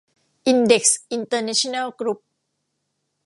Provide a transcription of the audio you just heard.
อินเด็กซ์ อินเตอร์เนชั่นแนล กรุ๊ป